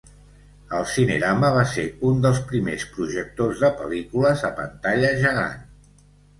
El Cinerama va ser un dels primers projectors de pel·lícules a pantalla gegant.